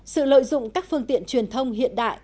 sự lợi dụng các phương tiện truyền thông hiện đại